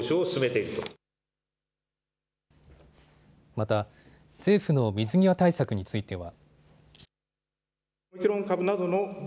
また、政府の水際対策については。